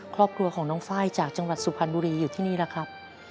ครอบครัวของน้องไฟล์จากจังหวัดสุพรรณบุรีอยู่ที่นี่แล้วครับ